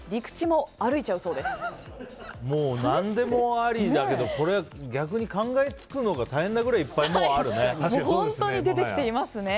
もう、何でもありだけど逆に考え付くのが大変なくらいいっぱいあるね。